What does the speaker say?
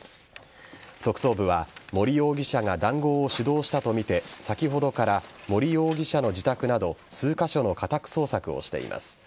特捜部は森容疑者が談合を主導したとみて先ほどから森容疑者の自宅など数カ所の家宅捜索をしています。